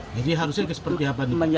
jadi harusnya seperti apa nih